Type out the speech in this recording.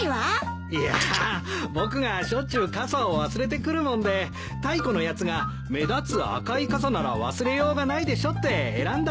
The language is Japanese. いや僕がしょっちゅう傘を忘れてくるもんでタイコのやつが「目立つ赤い傘なら忘れようがないでしょ」って選んだんです。